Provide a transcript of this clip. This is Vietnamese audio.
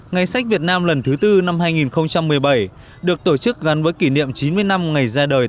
ngày sách việt nam lần thứ tư năm hai nghìn một mươi bảy được tổ chức gắn với kỷ niệm chín mươi năm ngày ra đời